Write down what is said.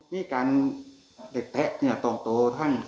เห็นะเนี่ยต้องโตทั้ง